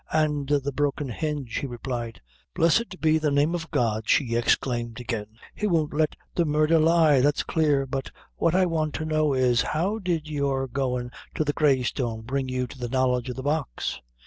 and the broken hinge," he replied. "Blessed be the name of God!" she exclaimed again "He won't let the murdher lie, that's clear. But what I want to know is, how did your goin' to the Grey Stone bring you to the knowledge of the box?"